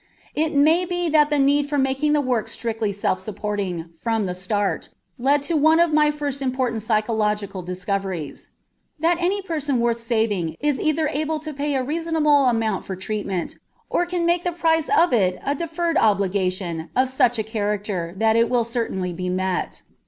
It may be that the need for making the work strictly self supporting from the start led to one of my first important psychological discoveries: that any person worth saving is either able to pay a reasonable amount for treatment or can make the price of it a deferred obligation of such a character that it will certainly be met.